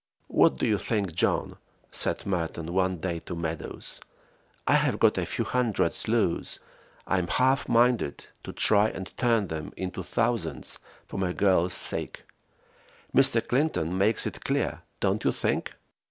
"What do you think, John," said Merton one day to Meadows, "I have got a few hundreds loose. I'm half minded to try and turn them into thousands for my girl's sake. Mr. Clinton makes it clear, don't you think?"